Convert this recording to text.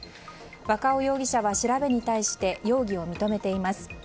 若尾容疑者は調べに対して容疑を認めています。